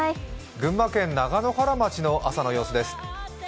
群馬県長野原町の朝の様子です。